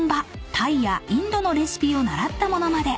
タイやインドのレシピを倣ったものまで］